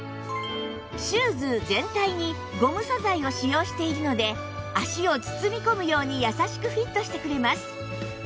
シューズ全体にゴム素材を使用しているので足を包み込むように優しくフィットしてくれます